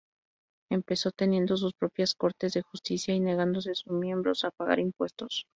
Empezó teniendo sus propias Cortes de Justicia y negándose sus miembros a pagar impuestos.